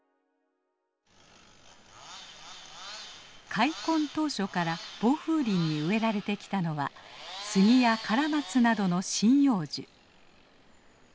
開墾当初から防風林に植えられてきたのはスギやカラマツなどの針葉樹。